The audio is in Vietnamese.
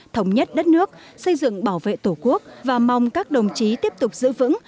thống nhất đất nước xây dựng bảo vệ tổ quốc và mong các đồng chí tiếp tục giữ vững